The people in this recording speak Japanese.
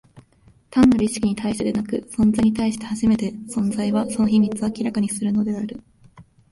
単なる意識に対してでなく、存在に対して初めて、存在は、その秘密を明らかにするのである。